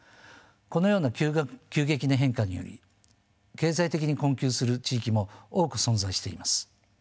このような急激な変化により経済的に困窮する地域も多く存在しています。